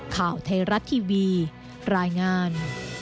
ข่าวไทยรัฐทีวีรายงาน